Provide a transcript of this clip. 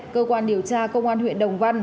cơ quan điều tra công an huyện đồng văn